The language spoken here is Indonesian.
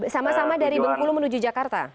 sama sama dari bengkulu menuju jakarta